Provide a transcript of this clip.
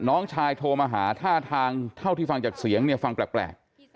น้องชายโทรมาหาท่าทางเท่าที่ฟังจากเสียงเนี่ยฟังแปลก